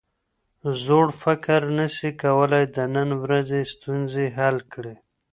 زوړ فکر نسي کولای د نن ورځې ستونزې حل کړي.